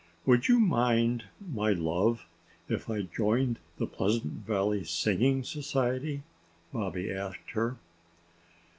"Would you mind, my love, if I joined the Pleasant Valley Singing Society?" Bobby asked her.